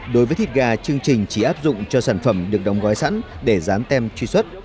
đối với thịt gà chương trình chỉ áp dụng cho sản phẩm được đóng gói sẵn để dán tem truy xuất